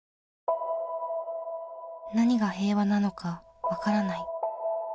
何が平和なのかわからない。